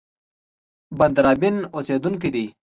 د بندرابن اوسېدونکی دی.